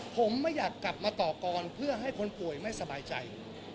ผมไม่อยากกลับมาต่อกรเพื่อให้คนป่วยไม่สบายใจ